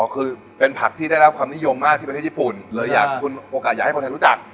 คือเป็นผักที่ได้รับความนิยมมากที่ประเทศญี่ปุ่นเลยอยากคุณโอกาสอยากให้คนไทยรู้จัก